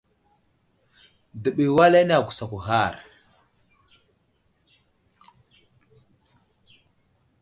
Ɗəbay wal ane agusakw ghar.